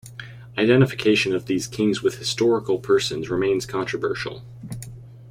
Identification of these kings with historical persons remains controversial.